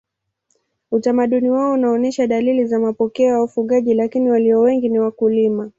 Utamaduni wao unaonyesha dalili za mapokeo ya wafugaji lakini walio wengi ni wakulima.